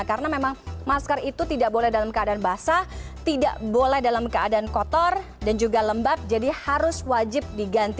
karena memang masker itu tidak boleh dalam keadaan basah tidak boleh dalam keadaan kotor dan juga lembab jadi harus wajib diganti